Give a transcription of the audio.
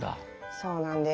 そうなんです。